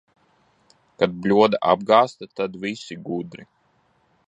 Kad bļoda apgāzta, tad visi gudri.